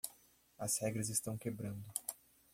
As regras estão quebrando.